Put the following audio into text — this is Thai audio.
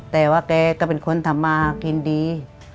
แต่ว่าแกก็เป็นคนทำมากินดี